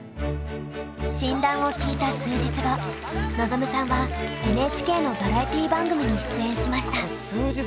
診断を聞いた数日後望さんはＮＨＫのバラエティー番組に出演しました。